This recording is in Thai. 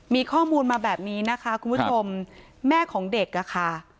มีข้อมูลมาแบบนี้นะคะคุณผู้ชมแม่ของเด็กอะค่ะ